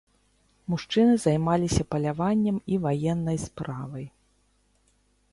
Мужчыны займаліся паляваннем і ваеннай справай.